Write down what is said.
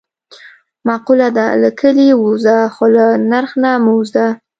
معقوله ده: له کلي ووځه خو له نرخ نه مه وځه.